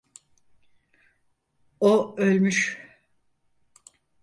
O ölmüş.